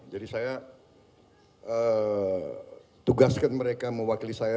jadi saya tugaskan mereka mewakili saya